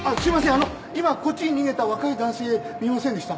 あの今こっちに逃げた若い男性見ませんでした？